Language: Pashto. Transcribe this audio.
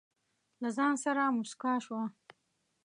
له ځانه سره موسکه شوه.